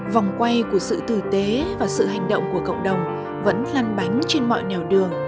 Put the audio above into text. vòng quay của sự tử tế và sự hành động của cộng đồng vẫn lăn bánh trên mọi nẻo đường